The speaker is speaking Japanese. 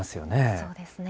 そうですね。